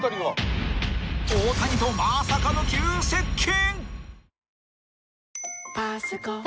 ［大谷とまさかの急接近］